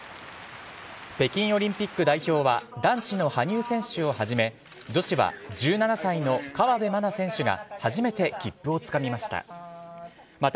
北京オリンピック代表は、男子の羽生選手をはじめ、女子は１７歳の河辺愛菜選手が初めて切符をつかみました。